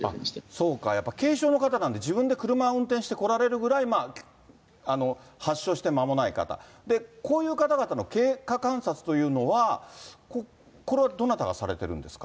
そうか、やっぱ軽症の方なんで、自分で車を運転して来られるぐらい、発症してまもない方、こういう方々の経過観察というのは、これはどなたがされているんですか。